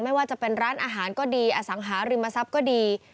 ไม่ว่าจะเป็นร้านอาหารก็ดีอสังหาริมทรัพย์ก็ดี